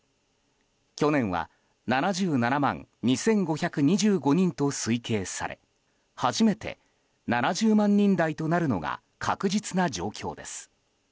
去年は７７万２５２５人と推計され初めて７０万人台となるのが確実な状況です。